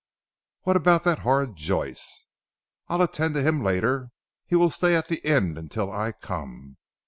"What about that horrid Joyce?" "I'll attend to him later. He will stay at the inn until I come.